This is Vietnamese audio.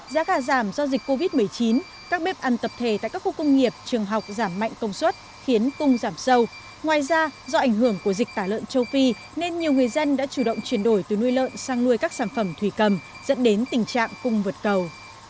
giá gà giảm do dịch covid một mươi chín các bếp ăn tập thể tại các khu công nghiệp trường học giảm mạnh công suất khiến cung giảm sâu ngoài ra do ảnh hưởng của dịch tả lợn châu phi nên nhiều người dân đã chủ động chuyển đổi từ nuôi lợn sang nuôi các sản phẩm thủy cầm dẫn đến tình trạng cung vượt cầu